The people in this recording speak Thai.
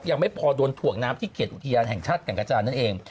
ยังไม่พอโดนถ่วงน้ำที่เขตอุทยานแห่งชาติแก่งกระจานนั่นเอง